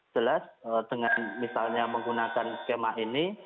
jelas dengan misalnya menggunakan skema ini